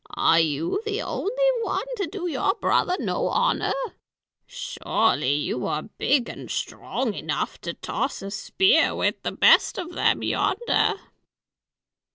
"Are you the only one to do your brother no honor? Surely, you are big and strong enough to toss a spear with the best of them yonder."